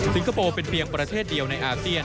คโปร์เป็นเพียงประเทศเดียวในอาเซียน